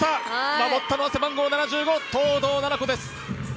守ったのは背番号７５、東藤なな子です。